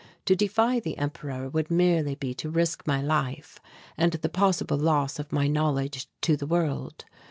To defy the Emperor would merely be to risk my life and the possible loss of my knowledge to the world.